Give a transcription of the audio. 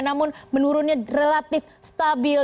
namun menurunnya relatif stabil